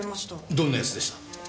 どんな奴でした？